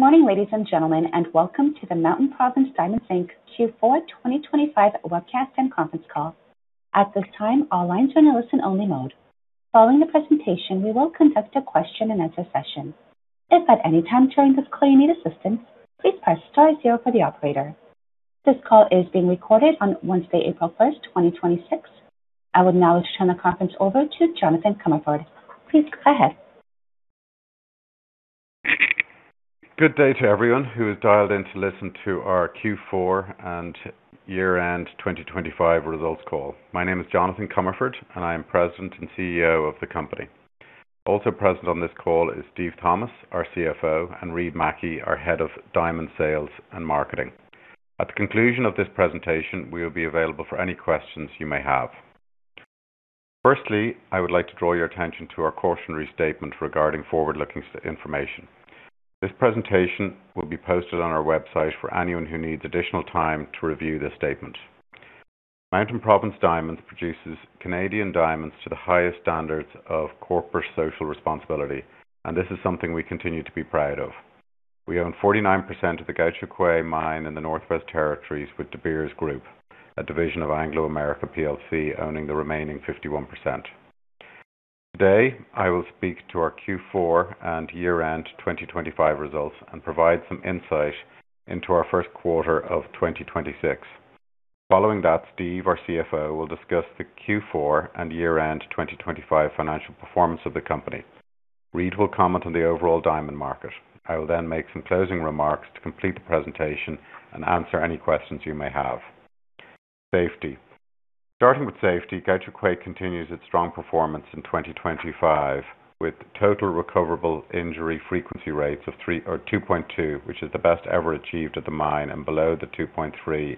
Good morning, ladies and gentlemen, and welcome to the Mountain Province Diamonds Inc. Q4 2025 Webcast and Conference Call. At this time, all lines are in a listen-only mode. Following the presentation, we will conduct a question-and-answer session. If at any time during this call you need assistance, please press star zero for the operator. This call is being recorded on Wednesday, April 1, 2026. I would now like to turn the conference over to Jonathan Comerford. Please go ahead. Good day to everyone who has dialed in to listen to our Q4 and year-end 2025 results call. My name is Jonathan Comerford, and I am President and CEO of the company. Also present on this call is Steve Thomas, our CFO, and Reid Mackie, our head of diamond sales and marketing. At the conclusion of this presentation, we will be available for any questions you may have. Firstly, I would like to draw your attention to our cautionary statement regarding forward-looking information. This presentation will be posted on our website for anyone who needs additional time to review this statement. Mountain Province Diamonds produces Canadian diamonds to the highest standards of corporate social responsibility, and this is something we continue to be proud of. We own 49% of the Gahcho Kué Mine in the Northwest Territories with De Beers Group, a division of Anglo American plc, owning the remaining 51%. Today, I will speak to our Q4 and year-end 2025 results and provide some insight into our first quarter of 2026. Following that, Steve, our CFO, will discuss the Q4 and year-end 2025 financial performance of the company. Reid will comment on the overall diamond market. I will then make some closing remarks to complete the presentation and answer any questions you may have. Safety. Starting with safety, Gahcho Kué continues its strong performance in 2025, with total recordable injury frequency rates of 2.3 or 2.2, which is the best ever achieved at the mine and below the 2.3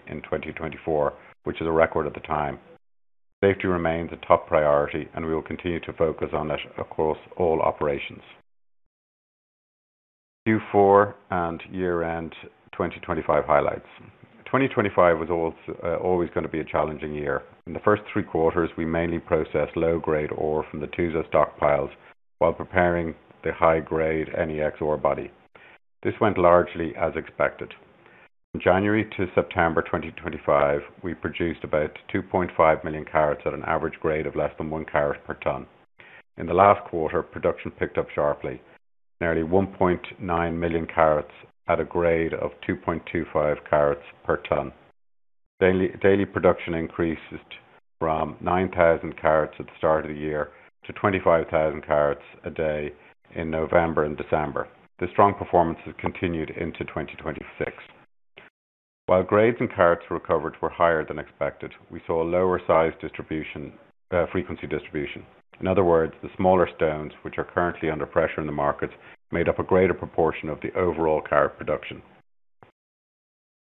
in 2024, which is a record at the time. Safety remains a top priority, and we will continue to focus on it across all operations. Q4 and year-end 2025 highlights. 2025 was always gonna be a challenging year. In the first three quarters, we mainly processed low-grade ore from the Tuzo stockpiles while preparing the high-grade NEX ore body. This went largely as expected. From January to September 2025, we produced about 2.5 million carats at an average grade of less than 1 carat per ton. In the last quarter, production picked up sharply, nearly 1.9 million carats at a grade of 2.25 carats per ton. Daily production increased from 9,000 carats at the start of the year to 25,000 carats a day in November and December. The strong performance has continued into 2026. While grades and carats recovered were higher than expected, we saw a lower size distribution, frequency distribution. In other words, the smaller stones, which are currently under pressure in the markets, made up a greater proportion of the overall carat production.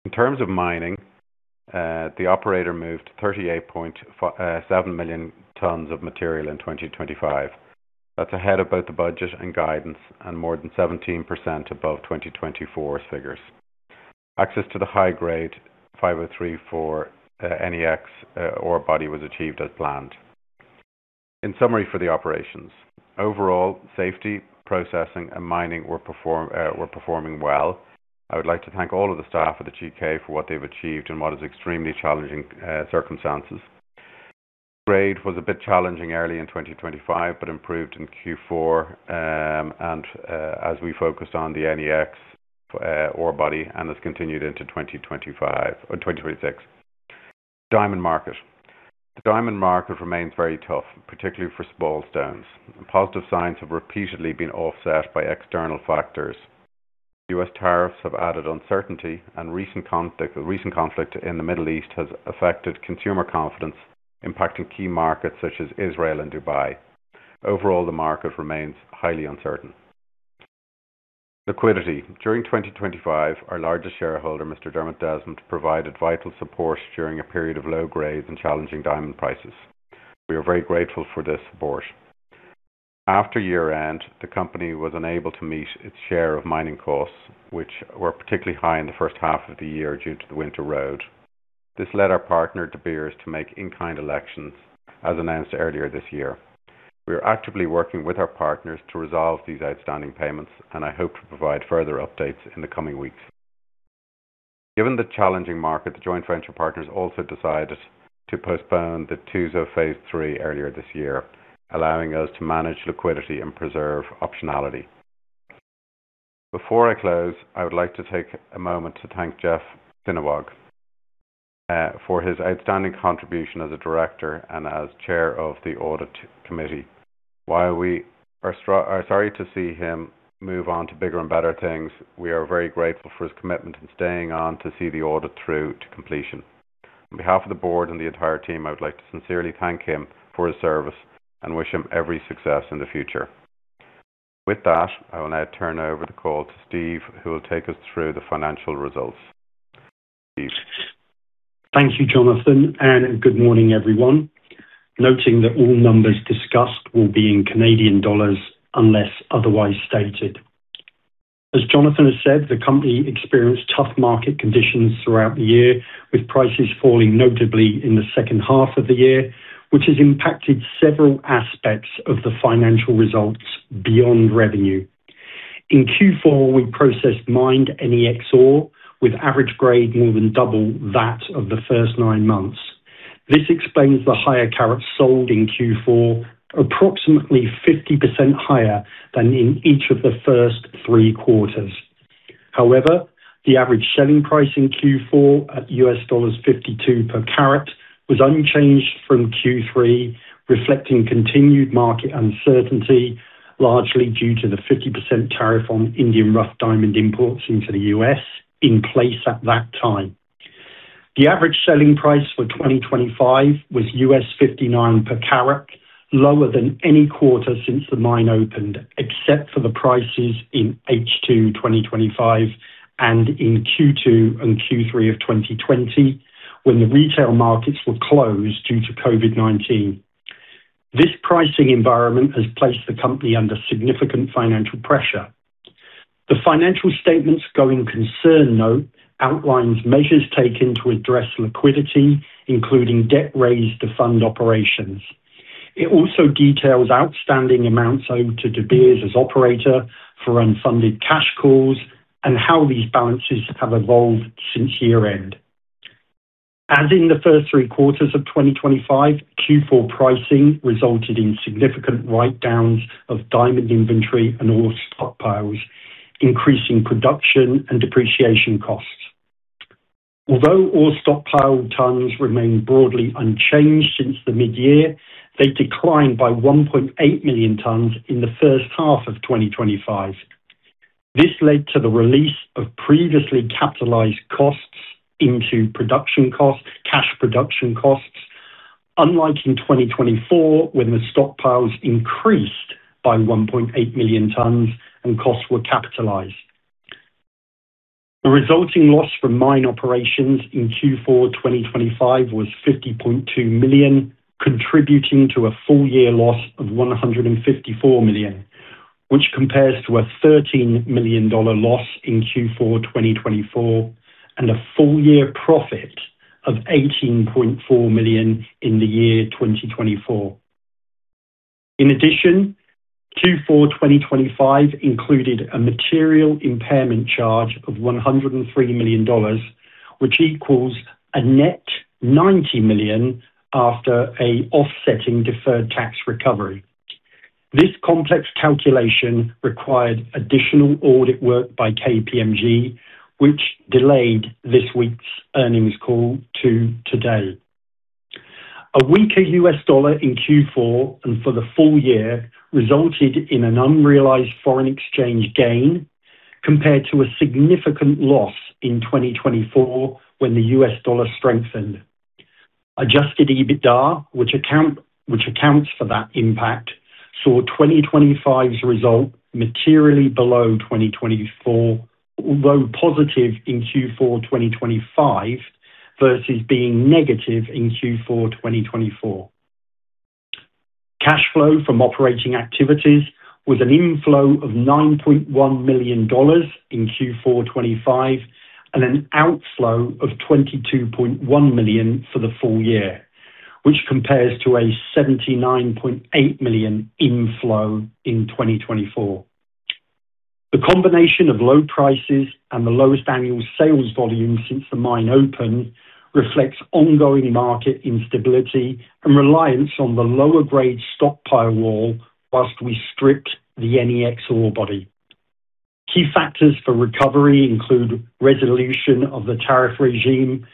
In terms of mining, the operator moved 38.7 million tons of material in 2025. That's ahead of the budget and guidance and more than 17% above 2024's figures. Access to the high-grade 5034 NEX ore body was achieved as planned. In summary for the operations, overall safety, processing, and mining were performing well. I would like to thank all of the staff of the GK for what they've achieved in what is extremely challenging circumstances. Grade was a bit challenging early in 2025, but improved in Q4, as we focused on the NEX ore body and has continued into 2025 or 2026. Diamond market. The diamond market remains very tough, particularly for small stones. Positive signs have repeatedly been offset by external factors. U.S. tariffs have added uncertainty, and recent conflict in the Middle East has affected consumer confidence, impacting key markets such as Israel and Dubai. Overall, the market remains highly uncertain. Liquidity. During 2025, our largest shareholder, Mr. Dermot Desmond, provided vital support during a period of low grades and challenging diamond prices. We are very grateful for this support. After year-end, the company was unable to meet its share of mining costs, which were particularly high in the first half of the year due to the winter road. This led our partner, De Beers, to make in-kind elections as announced earlier this year. We are actively working with our partners to resolve these outstanding payments, and I hope to provide further updates in the coming weeks. Given the challenging market, the joint venture partners also decided to postpone the Tuzo phase III earlier this year, allowing us to manage liquidity and preserve optionality. Before I close, I would like to take a moment to thank Jeff Swinoga for his outstanding contribution as a director and as chair of the audit committee. While we are sorry to see him move on to bigger and better things, we are very grateful for his commitment in staying on to see the audit through to completion. On behalf of the board and the entire team, I would like to sincerely thank him for his service and wish him every success in the future. With that, I will now turn over the call to Steve Thomas, who will take us through the financial results. Steve? Thank you, Jonathan, and good morning, everyone. Noting that all numbers discussed will be in Canadian dollars unless otherwise stated. As Jonathan has said, the company experienced tough market conditions throughout the year, with prices falling notably in the second half of the year, which has impacted several aspects of the financial results beyond revenue. In Q4, we processed mined NEX ore with average grade more than double that of the first nine months. This explains the higher carat sold in Q4, approximately 50% higher than in each of the first three quarters. However, the average selling price in Q4 at $52 per carat was unchanged from Q3, reflecting continued market uncertainty, largely due to the 50% tariff on Indian rough diamond imports into the U.S. in place at that time. The average selling price for 2025 was $59 per carat, lower than any quarter since the mine opened, except for the prices in H2 2025 and in Q2 and Q3 of 2020, when the retail markets were closed due to COVID-19. This pricing environment has placed the company under significant financial pressure. The financial statements going concern note outlines measures taken to address liquidity, including debt raised to fund operations. It also details outstanding amounts owed to De Beers as operator for unfunded cash calls and how these balances have evolved since year-end. As in the first three quarters of 2025, Q4 pricing resulted in significant write-downs of diamond inventory and ore stockpiles, increasing production and depreciation costs. Although ore stockpile tons remain broadly unchanged since the mid-year, they declined by 1.8 million tons in the first half of 2025. This led to the release of previously capitalized costs into production costs, cash production costs, unlike in 2024, when the stockpiles increased by 1.8 million tons and costs were capitalized. The resulting loss from mine operations in Q4 2025 was $50.2 million, contributing to a full year loss of $154 million, which compares to a $13 million loss in Q4 2024 and a full year profit of $18.4 million in 2024. In addition, Q4 2025 included a material impairment charge of $103 million, which equals a net $90 million after an offsetting deferred tax recovery. This complex calculation required additional audit work by KPMG, which delayed this week's earnings call to today. A weaker U.S. dollar in Q4 and for the full year resulted in an unrealized foreign exchange gain compared to a significant loss in 2024 when the U.S. dollar strengthened. Adjusted EBITDA, which accounts for that impact, saw 2025's result materially below 2024, although positive in Q4 2025 versus being negative in Q4 2024. Cash flow from operating activities was an inflow of $9.1 million in Q4 2025 and an outflow of $22.1 million for the full year, which compares to a $79.8 million inflow in 2024. The combination of low prices and the lowest annual sales volume since the mine opened reflects ongoing market instability and reliance on the lower grade stockpile wall while we strip the NEX ore body. Key factors for recovery include resolution of the tariff regime,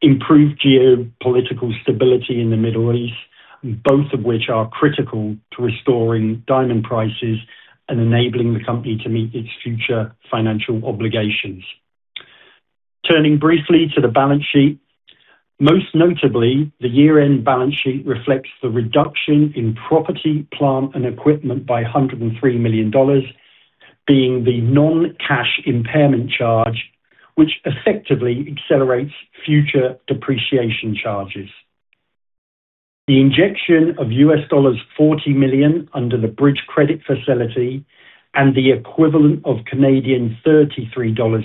improved geopolitical stability in the Middle East, both of which are critical to restoring diamond prices and enabling the company to meet its future financial obligations. Turning briefly to the balance sheet. Most notably, the year-end balance sheet reflects the reduction in property, plant, and equipment by 103 million dollars, being the non-cash impairment charge, which effectively accelerates future depreciation charges. The injection of $40 million under the bridge credit facility and the equivalent of 33 million Canadian dollars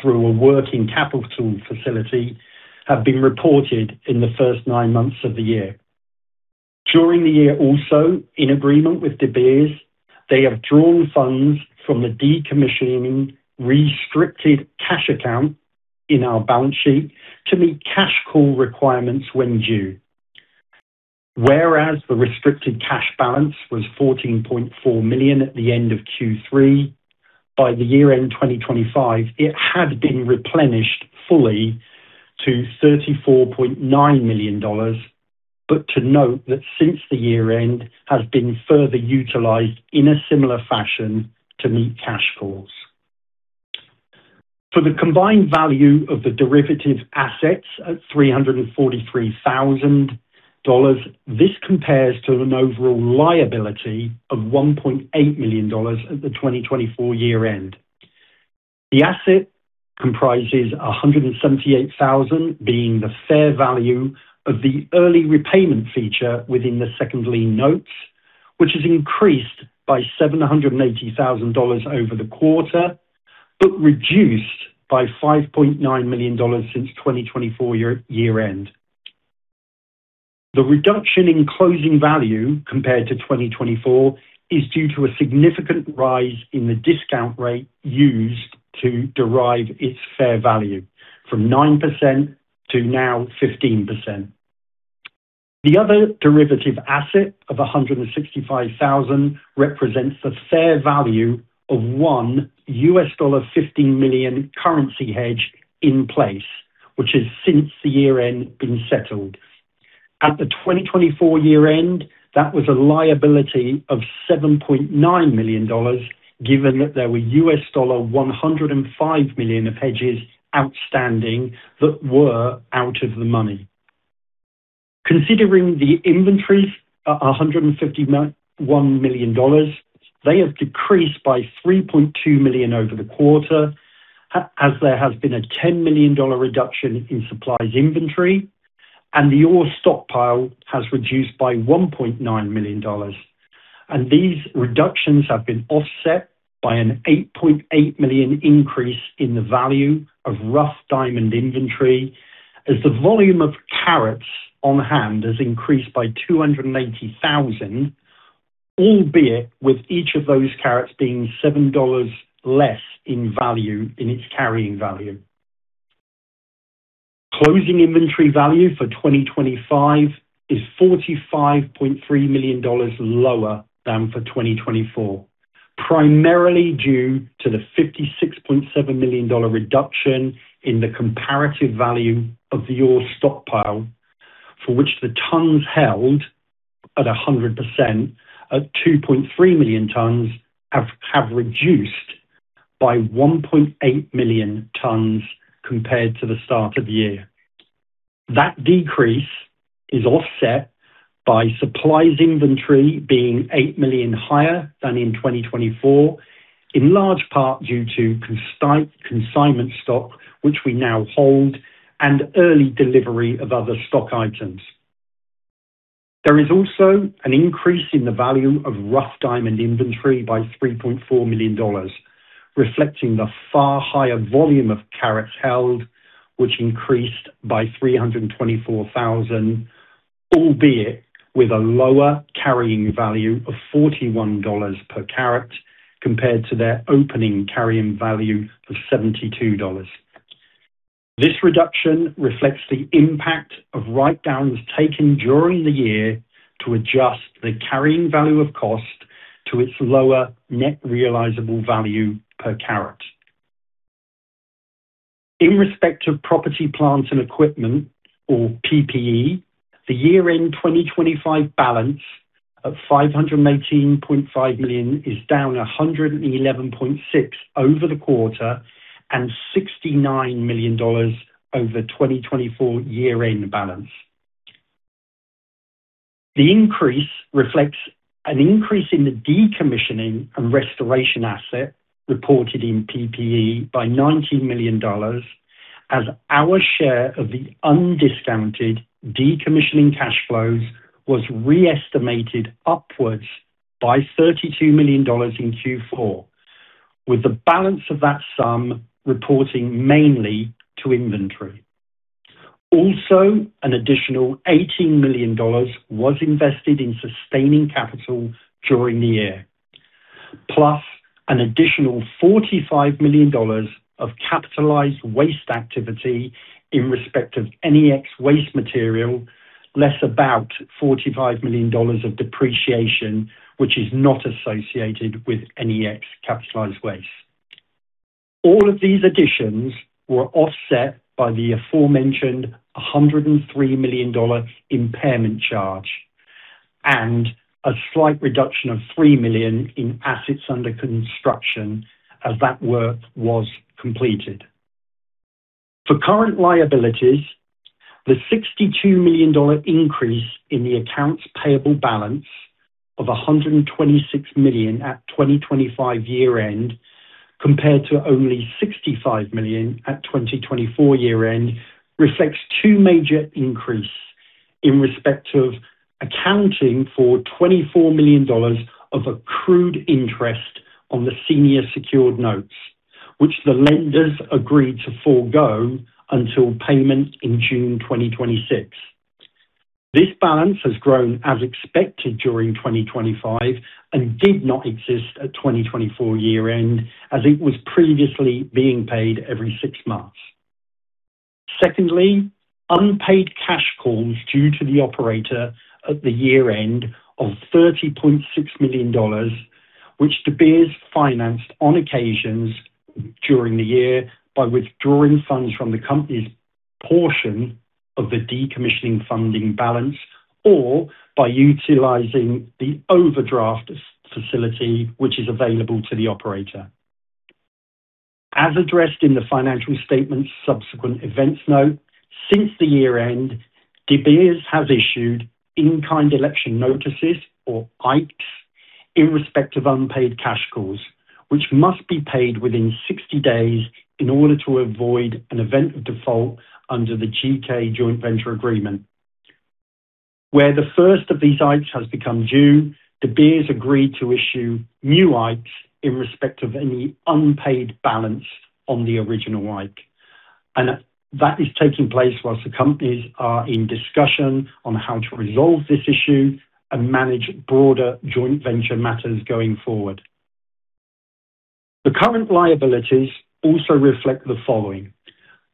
through a working capital facility have been reported in the first nine months of the year. During the year also, in agreement with De Beers, they have drawn funds from the decommissioning restricted cash account in our balance sheet to meet cash call requirements when due. Whereas the restricted cash balance was 14.4 million at the end of Q3, by the year-end 2025, it had been replenished fully to 34.9 million dollars. To note that since the year-end has been further utilized in a similar fashion to meet cash calls. For the combined value of the derivative assets at $343 thousand, this compares to an overall liability of $1.8 million at the 2024 year-end. The asset comprises $178 thousand being the fair value of the early repayment feature within the second lien notes, which has increased by $780 thousand over the quarter, but reduced by $5.9 million since 2024 year-end. The reduction in closing value compared to 2024 is due to a significant rise in the discount rate used to derive its fair value from 9% to now 15%. The other derivative asset of $165 thousand represents the fair value of a $15 million currency hedge in place, which has since the year-end been settled. At the 2024 year-end, that was a liability of $7.9 million, given that there were $105 million of hedges outstanding that were out of the money. Considering the inventories are $151 million, they have decreased by $3.2 million over the quarter as there has been a $10 million reduction in supplies inventory and the ore stockpile has reduced by $1.9 million. These reductions have been offset by an $8.8 million increase in the value of rough diamond inventory as the volume of carats on hand has increased by 280,000, albeit with each of those carats being $7 less in value in its carrying value. Closing inventory value for 2025 is $45.3 million lower than for 2024, primarily due to the $56.7 million reduction in the comparative value of the ore stockpile, for which the tonnes held at 100% at 2.3 million tonnes have reduced by 1.8 million tonnes compared to the start of the year. That decrease is offset by supplies inventory being $8 million higher than in 2024, in large part due to consignment stock which we now hold and early delivery of other stock items. There is also an increase in the value of rough diamond inventory by 3.4 million dollars, reflecting the far higher volume of carats held which increased by 324,000, albeit with a lower carrying value of $41 per carat compared to their opening carrying value of $72. This reduction reflects the impact of write-downs taken during the year to adjust the carrying value of cost to its lower net realizable value per carat. In respect of property, plant and equipment or PPE, the year-end 2025 balance of 518.5 million is down 111.6 million over the quarter and 69 million dollars over the 2024 year-end balance. The increase reflects an increase in the decommissioning and restoration asset reported in PPE by 90 million dollars as our share of the undiscounted decommissioning cash flows was re-estimated upwards by 32 million dollars in Q4, with the balance of that sum reporting mainly to inventory. Also, an additional 18 million dollars was invested in sustaining capital during the year, plus an additional 45 million dollars of capitalized waste activity in respect of NEX waste material less about 45 million dollars of depreciation which is not associated with NEX capitalized waste. All of these additions were offset by the aforementioned 103 million dollar impairment charge and a slight reduction of 3 million in assets under construction as that work was completed. For current liabilities, the 62 million dollar increase in the accounts payable balance of 126 million at 2025 year-end compared to only 65 million at 2024 year-end reflects two major increases in respect of accounting for 24 million dollars of accrued interest on the senior secured notes, which the lenders agreed to forgo until payment in June 2026. This balance has grown as expected during 2025 and did not exist at 2024 year-end as it was previously being paid every six months. Secondly, unpaid cash calls due to the operator at the year-end of 30.6 million dollars, which De Beers financed on occasions during the year by withdrawing funds from the company's portion of the decommissioning funding balance or by utilizing the overdraft facility which is available to the operator. As addressed in the financial statements subsequent events note, since the year-end, De Beers has issued in-kind election notices or IKEs in respect of unpaid cash calls, which must be paid within 60 days in order to avoid an event of default under the GK Joint Venture Agreement. Where the first of these IKEs has become due, De Beers agreed to issue new IKEs in respect of any unpaid balance on the original IKE. That is taking place whilst the companies are in discussion on how to resolve this issue and manage broader joint venture matters going forward. The current liabilities also reflect the following.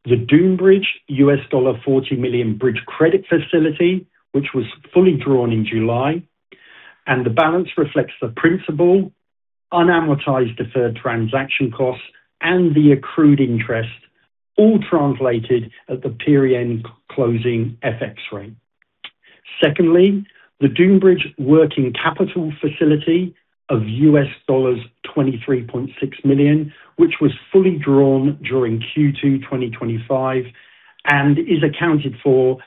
The Dunebridge $40 million bridge credit facility, which was fully drawn in July, and the balance reflects the principal unamortized deferred transaction costs and the accrued interest, all translated at the period-end closing FX rate. Secondly, the Dunebridge working capital facility of $23.6 million, which was fully drawn during Q2 2025, and is accounted for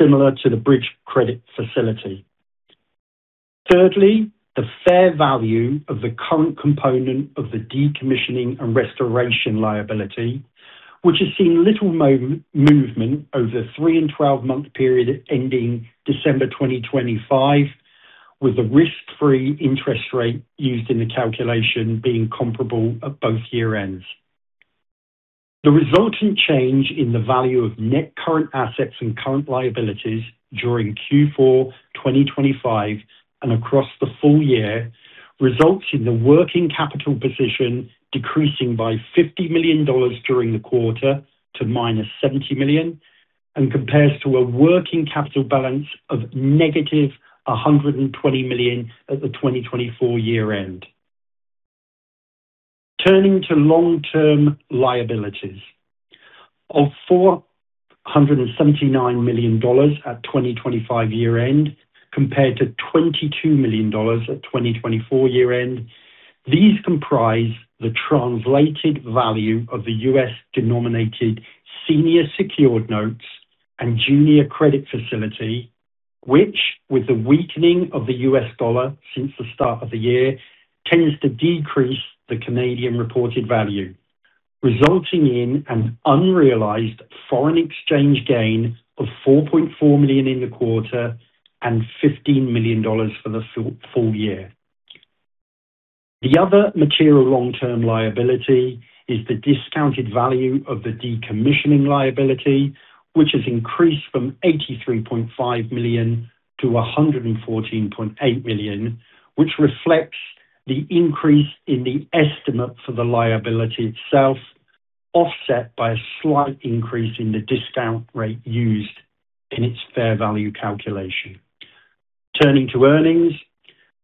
similar to the bridge credit facility. Thirdly, the fair value of the current component of the decommissioning and restoration liability, which has seen little movement over the three and twelve-month period ending December 2025, with the risk-free interest rate used in the calculation being comparable at both year-ends. The resultant change in the value of net current assets and current liabilities during Q4 2025 and across the full year results in the working capital position decreasing by $50 million during the quarter to -$70 million, and compares to a working capital balance of -$120 million at the 2024 year-end. Turning to long-term liabilities. Of 479 million dollars at 2025 year-end compared to 22 million dollars at 2024 year-end, these comprise the translated value of the U.S.-denominated senior secured notes and junior credit facility, which, with the weakening of the U.S. dollar since the start of the year, tends to decrease the Canadian reported value, resulting in an unrealized foreign exchange gain of 4.4 million in the quarter and 15 million dollars for the full year. The other material long-term liability is the discounted value of the decommissioning liability, which has increased from 83.5 million-114.8 million, which reflects the increase in the estimate for the liability itself, offset by a slight increase in the discount rate used in its fair value calculation. Turning to earnings.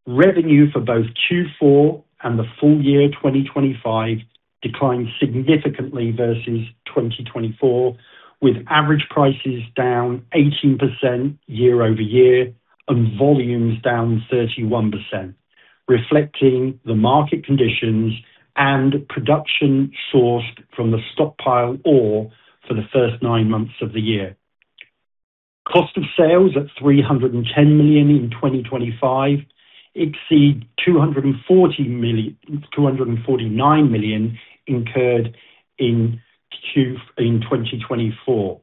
Revenue for both Q4 and the full year 2025 declined significantly versus 2024, with average prices down 18% year-over-year and volumes down 31%, reflecting the market conditions and production sourced from the stockpile ore for the first nine months of the year. Cost of sales at 310 million in 2025 exceed 249 million incurred in 2024.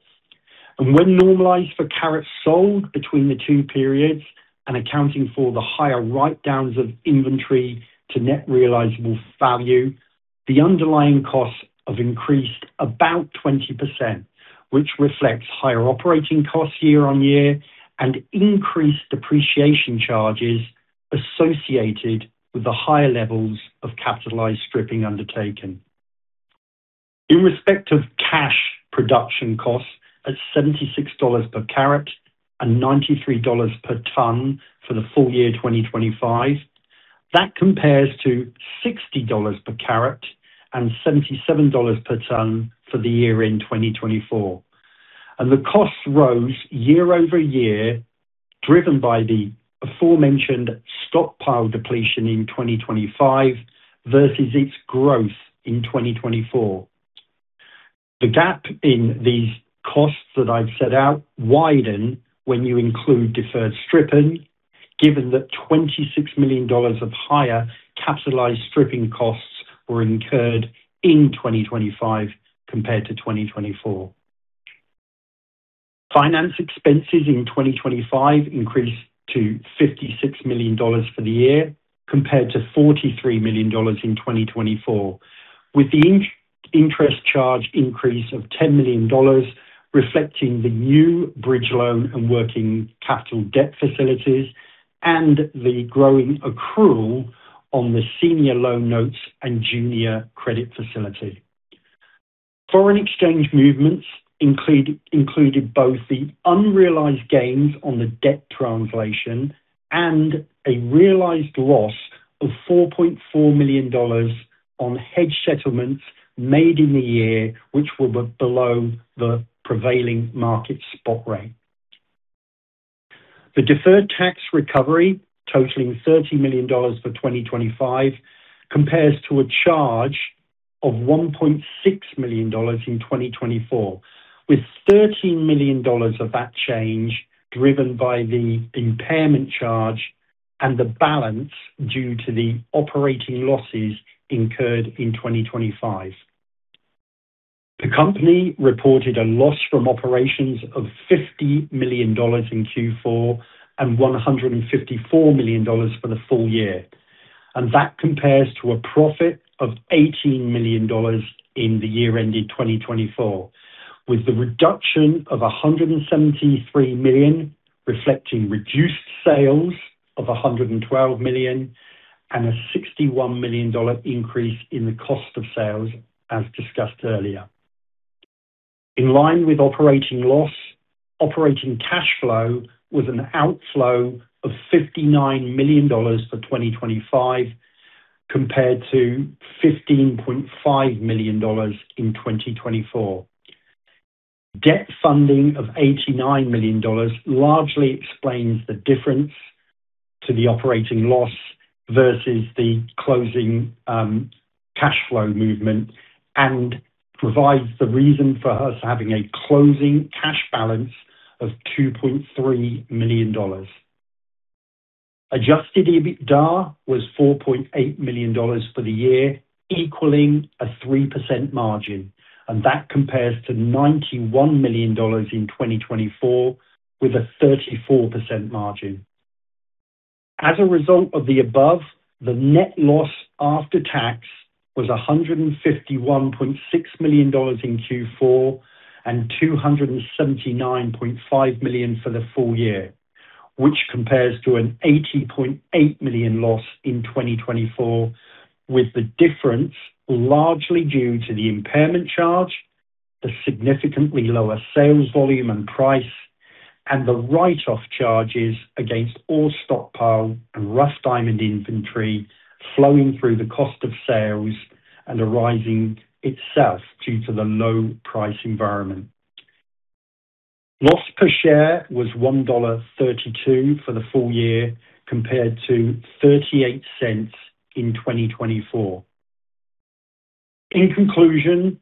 When normalized for carats sold between the two periods and accounting for the higher write-downs of inventory to net realizable value, the underlying costs have increased about 20%, which reflects higher operating costs year-over-year and increased depreciation charges associated with the higher levels of capitalized stripping undertaken. In respect of cash production costs at $76 per carat and $93 per ton for the full year 2025, that compares to $60 per carat and $77 per ton for the year-end 2024. The costs rose year-over-year, driven by the aforementioned stockpile depletion in 2025 versus its growth in 2024. The gap in these costs that I've set out widen when you include deferred stripping, given that 26 million dollars of higher capitalized stripping costs were incurred in 2025 compared to 2024. Finance expenses in 2025 increased to 56 million dollars for the year compared to 43 million dollars in 2024, with the interest charge increase of 10 million dollars reflecting the new bridge credit facility and working capital facility and the growing accrual on the senior secured notes and junior credit facility. Foreign exchange movements included both the unrealized gains on the debt translation and a realized loss of 4.4 million dollars on hedge settlements made in the year, which were below the prevailing market spot rate. The deferred tax recovery totaling 30 million dollars for 2025 compares to a charge of 1.6 million dollars in 2024, with 13 million dollars of that change driven by the impairment charge and the balance due to the operating losses incurred in 2025. The company reported a loss from operations of $50 million in Q4 and $154 million for the full year. That compares to a profit of $18 million in the year ending 2024, with the reduction of $173 million reflecting reduced sales of $112 million and a $61 million increase in the cost of sales, as discussed earlier. In line with operating loss, operating cash flow was an outflow of $59 million for 2025 compared to $15.5 million in 2024. Debt funding of $89 million largely explains the difference to the operating loss versus the closing cash flow movement, and provides the reason for us having a closing cash balance of $2.3 million. Adjusted EBITDA was $4.8 million for the year, equaling a 3% margin, and that compares to $91 million in 2024 with a 34% margin. As a result of the above, the net loss after tax was $151.6 million in Q4 and $279.5 million for the full year, which compares to an $80.8 million loss in 2024, with the difference largely due to the impairment charge, the significantly lower sales volume and price, and the write-off charges against all stockpile and rough diamond inventory flowing through the cost of sales and arising itself due to the low price environment. Loss per share was $1.32 for the full year, compared to $0.38 in 2024. In conclusion,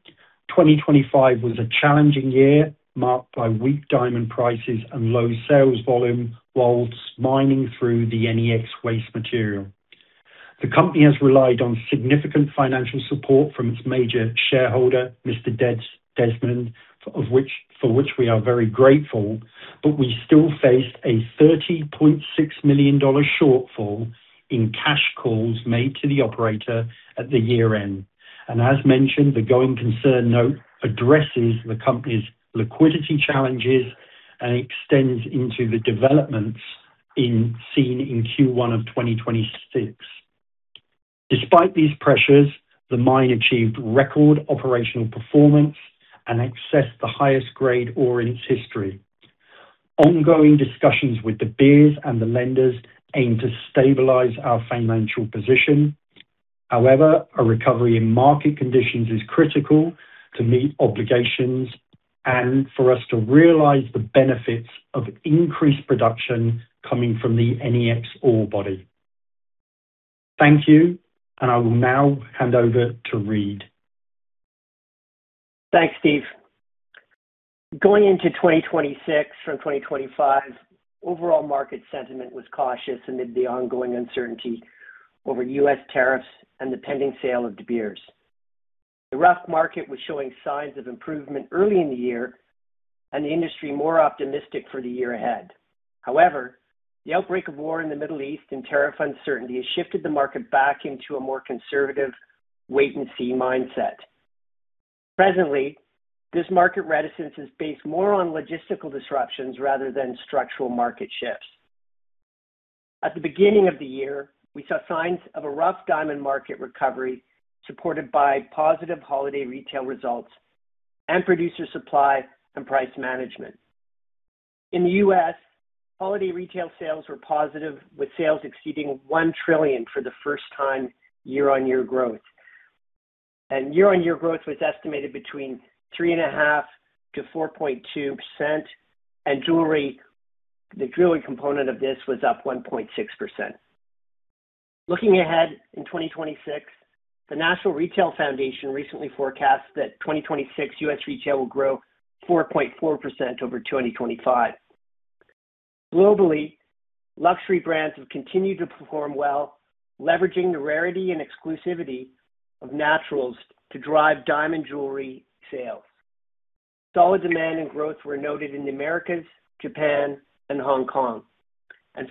2025 was a challenging year, marked by weak diamond prices and low sales volume while mining through the NEX waste material. The company has relied on significant financial support from its major shareholder, Mr. Dermot Desmond, for which we are very grateful. We still faced a $30.6 million shortfall in cash calls made to the operator at the year-end. As mentioned, the going concern note addresses the company's liquidity challenges and extends into the developments seen in Q1 of 2026. Despite these pressures, the mine achieved record operational performance and accessed the highest grade ore in its history. Ongoing discussions with De Beers and the lenders aim to stabilize our financial position. However, a recovery in market conditions is critical to meet obligations and for us to realize the benefits of increased production coming from the NEX ore body. Thank you. I will now hand over to Reid. Thanks, Steve. Going into 2026 from 2025, overall market sentiment was cautious amid the ongoing uncertainty over U.S. tariffs and the pending sale of De Beers. The rough market was showing signs of improvement early in the year and the industry more optimistic for the year ahead. However, the outbreak of war in the Middle East and tariff uncertainty has shifted the market back into a more conservative wait and see mindset. Presently, this market reticence is based more on logistical disruptions rather than structural market shifts. At the beginning of the year, we saw signs of a rough diamond market recovery, supported by positive holiday retail results and producer supply and price management. In the U.S., holiday retail sales were positive, with sales exceeding $1 trillion for the first time. Year-over-year growth was estimated between 3.5% and 4.2%. Jewelry, the jewelry component of this was up 1.6%. Looking ahead in 2026, the National Retail Federation recently forecast that 2026 U.S. retail will grow 4.4% over 2025. Globally, luxury brands have continued to perform well, leveraging the rarity and exclusivity of naturals to drive diamond jewelry sales. Solid demand and growth were noted in the Americas, Japan, and Hong Kong.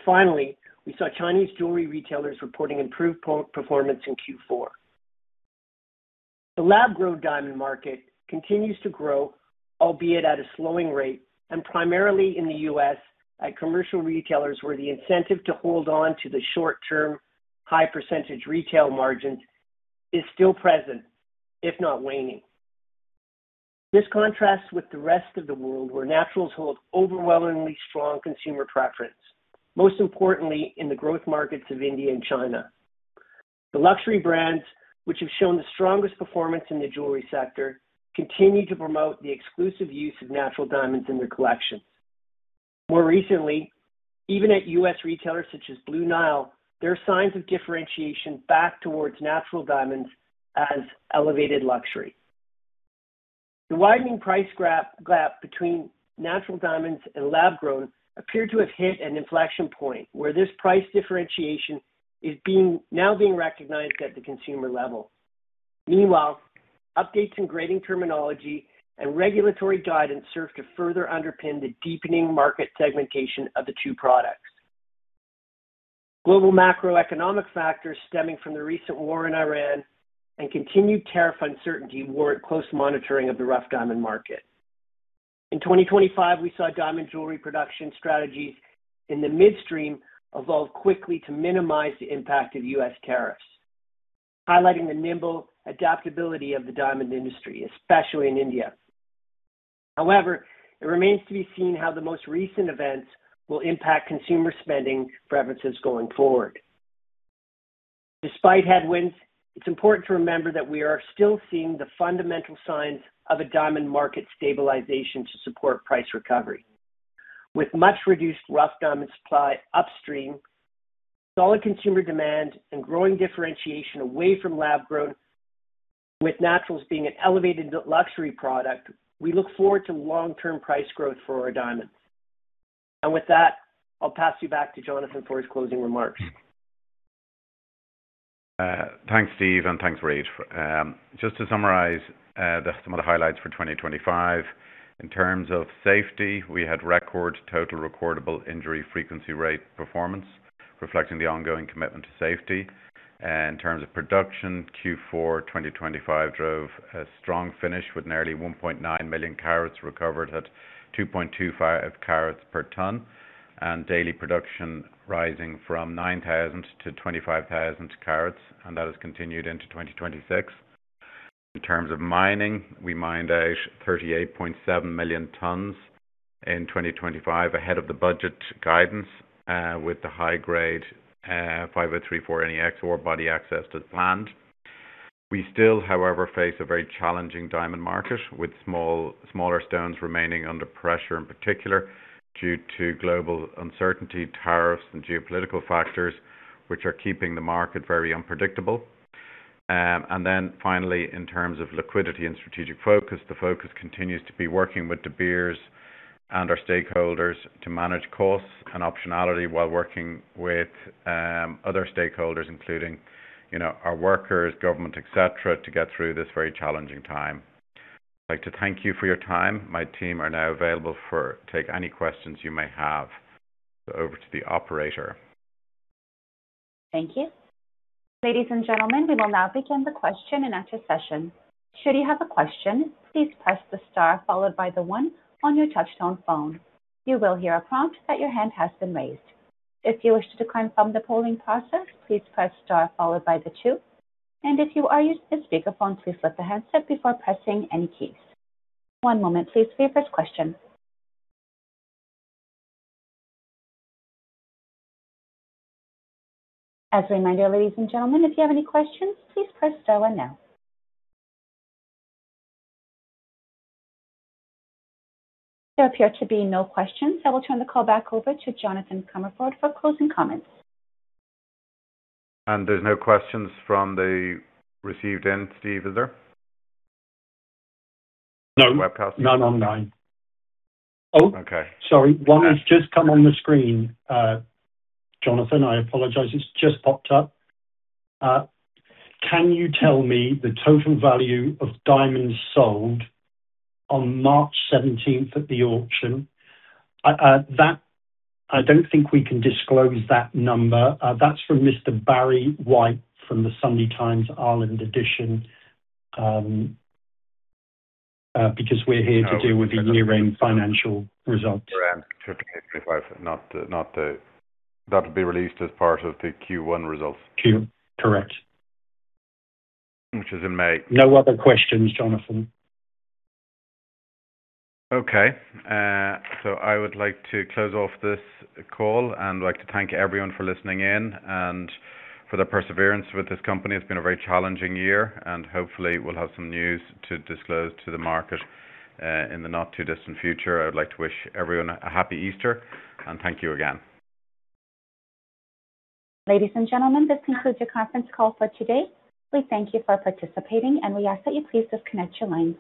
Finally, we saw Chinese jewelry retailers reporting improved performance in Q4. The lab-grown diamond market continues to grow, albeit at a slowing rate, and primarily in the U.S. at commercial retailers, where the incentive to hold on to the short-term high percentage retail margin is still present, if not waning. This contrasts with the rest of the world, where naturals hold overwhelmingly strong consumer preference, most importantly in the growth markets of India and China. The luxury brands, which have shown the strongest performance in the jewelry sector, continue to promote the exclusive use of natural diamonds in their collections. More recently, even at U.S. retailers such as Blue Nile, there are signs of differentiation back towards natural diamonds as elevated luxury. The widening price gap between natural diamonds and lab-grown appear to have hit an inflection point where this price differentiation is now being recognized at the consumer level. Meanwhile, updates in grading terminology and regulatory guidance serve to further underpin the deepening market segmentation of the two products. Global macroeconomic factors stemming from the recent war in Iran and continued tariff uncertainty warrant close monitoring of the rough diamond market. In 2025, we saw diamond jewelry production strategies in the midstream evolve quickly to minimize the impact of U.S. tariffs, highlighting the nimble adaptability of the diamond industry, especially in India. However, it remains to be seen how the most recent events will impact consumer spending preferences going forward. Despite headwinds, it's important to remember that we are still seeing the fundamental signs of a diamond market stabilization to support price recovery. With much reduced rough diamond supply upstream, solid consumer demand, and growing differentiation away from lab growth, with naturals being an elevated luxury product, we look forward to long-term price growth for our diamonds. With that, I'll pass you back to Jonathan for his closing remarks. Thanks, Steve, and thanks, Reid. Just to summarize, some of the highlights for 2025. In terms of safety, we had record total recordable injury frequency rate performance, reflecting the ongoing commitment to safety. In terms of production, Q4 2025 drove a strong finish with nearly 1.9 million carats recovered at 2.25 carats per ton, and daily production rising from 9,000 to 25,000 carats, and that has continued into 2026. In terms of mining, we mined out 38.7 million tons in 2025, ahead of the budget guidance, with the high-grade 5034 NEX ore body access to plant. We still, however, face a very challenging diamond market, with smaller stones remaining under pressure in particular, due to global uncertainty tariffs and geopolitical factors which are keeping the market very unpredictable. Finally, in terms of liquidity and strategic focus, the focus continues to be working with De Beers and our stakeholders to manage costs and optionality while working with other stakeholders including, you know, our workers, government, et cetera, to get through this very challenging time. I'd like to thank you for your time. My team are now available to take any questions you may have. Over to the operator. Thank you. Ladies and gentlemen, we will now begin the question and answer session. Should you have a question, please press the star followed by the one on your touchtone phone. You will hear a prompt that your hand has been raised. If you wish to decline from the polling process, please press star followed by the two. If you are using a speakerphone, please flip the handset before pressing any keys. One moment, please, for your first question. As a reminder, ladies and gentlemen, if you have any questions, please press star one now. There appear to be no questions. I will turn the call back over to Jonathan Comerford for closing comments. There's no questions from the receiving end, Steve, is there? No. Webcast? No, none online. Oh. Okay. Sorry. One has just come on the screen. Jonathan, I apologize. It's just popped up. Can you tell me the total value of diamonds sold on March seventeenth at the auction? I don't think we can disclose that number. That's from Mr. Barry White from The Sunday Times, Ireland edition. Because we're here to deal with the year-end financial results. That would be released as part of the Q1 results. Correct. Which is in May. No other questions, Jonathan. Okay. I would like to close off this call and like to thank everyone for listening in and for their perseverance with this company. It's been a very challenging year, and hopefully we'll have some news to disclose to the market, in the not-too-distant future. I would like to wish everyone a happy Easter, and thank you again. Ladies and gentlemen, this concludes your conference call for today. We thank you for participating, and we ask that you please disconnect your lines.